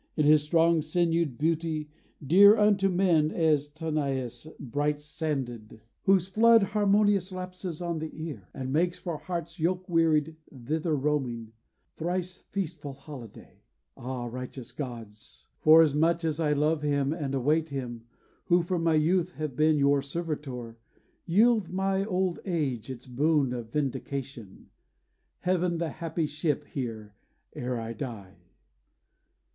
in his strong sinewed beauty Dear unto men as Tanais bright sanded Whose flood harmonious lapses on the ear, And makes for hearts yoke wearied, thither roaming, Thrice feastful holiday. Ah, righteous gods! Forasmuch as I love him and await him, Who from my youth have been your servitor, Yield my old age its boon of vindication: Haven the happy ship here, ere I die.